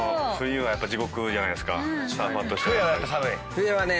冬はね